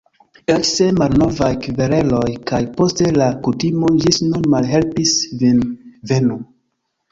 Eĉ se malnovaj kvereloj kaj poste la kutimo ĝis nun malhelpis vin: Venu!